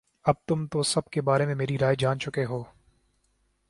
اب تم تو سب کے بارے میں میری رائے جان چکے ہو